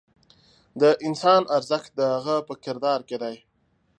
د انسان ارزښت د هغه په کردار کې دی.